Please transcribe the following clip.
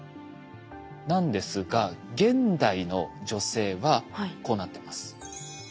なんですが現代の女性はこうなってます。